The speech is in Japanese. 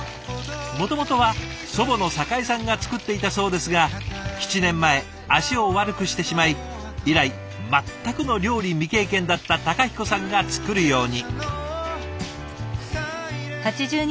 もともとは祖母の栄さんが作っていたそうですが７年前足を悪くしてしまい以来全くの料理未経験だった彦さんが作るように。